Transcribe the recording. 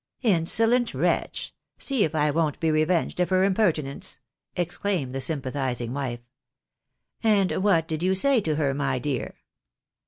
" Insolent wretch !— see if I won't be revenged of her imper tiaence," exclaimed the sympathising wife. " And what did you say to her, my dear?